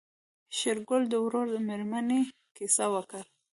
شېرګل د ورور د مړينې کيسه وکړه.